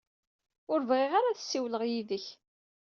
Ur bɣiɣ ara ad ssiwleɣ yid-k.